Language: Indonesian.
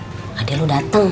iya tolong buka pintunya ya